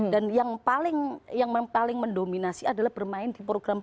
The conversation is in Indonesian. dan yang paling mendominasi adalah bermain di program proyek